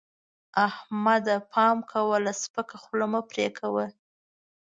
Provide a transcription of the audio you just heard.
احمده! پام کوه؛ له سپکه خوله مه پرې کوه.